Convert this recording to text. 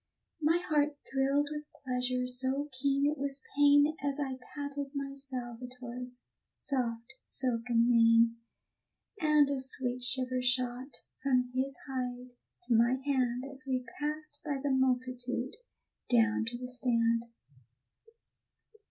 My heart thrilled with pleasure so keen it was pain As I patted my Salvator's soft silken mane; And a sweet shiver shot from his hide to my hand As we passed by the multitude down to the stand.